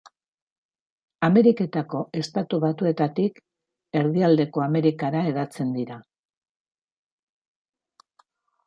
Ameriketako Estatu Batuetatik Erdialdeko Amerikara hedatzen dira.